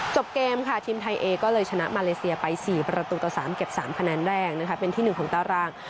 จบเกมค่ะทีมไทยเอก็เลยชนะมาเลเซียไป๔ประตูต่อ๓เก็บ๓คะแนนแรกนะคะเป็นที่๑ของตาราง